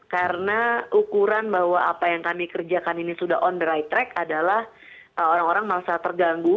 karena ukuran bahwa apa yang kami kerjakan ini sudah on the right track adalah orang orang malah terganggu